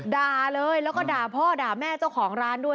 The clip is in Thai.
ด่าเลยแล้วก็ด่าพ่อด่าแม่เจ้าของร้านด้วย